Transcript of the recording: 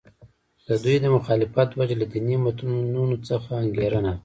د دوی د مخالفت وجه له دیني متنونو څخه انګېرنه وه.